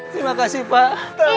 terima kasih pak